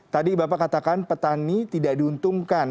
tadi bapak katakan petani tidak diuntungkan